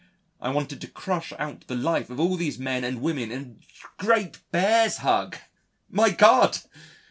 I wanted to crush out the life of all these men and women in a great Bear's hug, my God!